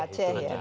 di aceh ya